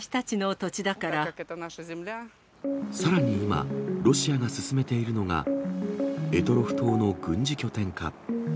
さらに今、ロシアが進めているのが、択捉島の軍事拠点化。